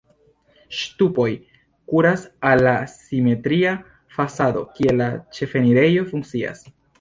Ŝtupoj kuras al la simetria fasado, kie la ĉefenirejo funkcias.